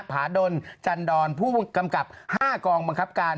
ผาดลจันดรผู้กำกับ๕กองบังคับการ